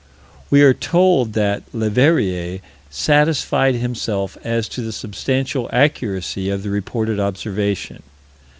We are told that Leverrier "satisfied himself as to the substantial accuracy of the reported observation."